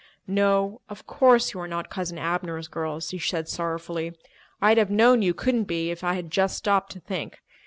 "No, of course you are not Cousin Abner's girls," she said sorrowfully. "I'd have known you couldn't be if I had just stopped to think.